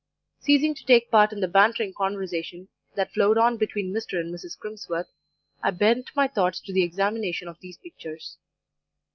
Ceasing to take part in the bantering conversation that flowed on between Mr. and Mrs. Crimsworth, I bent my thoughts to the examination of these pictures.